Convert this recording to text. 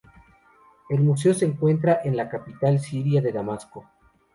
El museo se encuentra en la capital siria de Damasco.